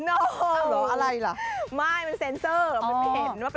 อ้าวอะไรเหรอโอเค